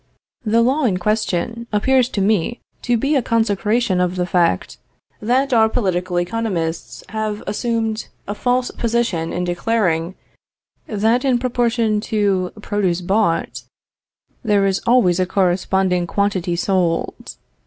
The law in question, appears to me to be a consecration of the fact, that our political economists have assumed a false position in declaring, that in proportion to produce bought, there is always a corresponding quantity sold.